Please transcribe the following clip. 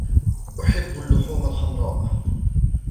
أحب اللحوم الحمراء.